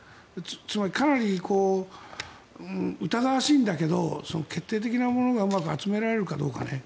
つまりかなり疑わしいんだけど決定的なものがうまく集められるのかどうかね